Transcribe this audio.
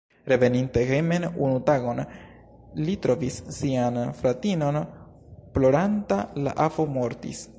Reveninte hejmen unu tagon, li trovis sian fratinon ploranta: la avo mortis.